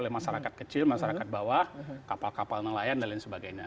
oleh masyarakat kecil masyarakat bawah kapal kapal nelayan dan lain sebagainya